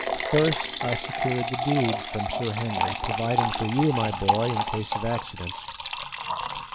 First I secured the deed from Sir Henry, providing for you, my boy, in case of accidents.